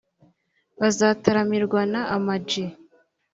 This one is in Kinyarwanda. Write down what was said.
bazataramirwa na Ama-G